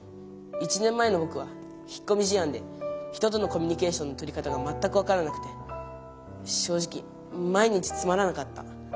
１年前のぼくは引っこみじあんで人とのコミュニケーションのとり方がまったく分からなくて正直毎日つまらなかった。